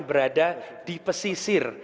berada di pesisir